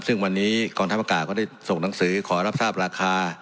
ซึ่งวันนี้กองทัพอากาศก็ได้ส่งหนังสือขอรับทราบราคา